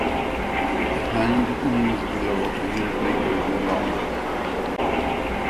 The hind wings below are usually even longer.